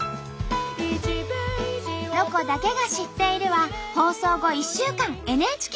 「ロコだけが知っている」は放送後１週間ＮＨＫ